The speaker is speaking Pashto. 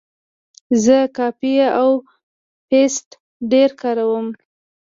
زه کاپي او پیسټ ډېر کاروم.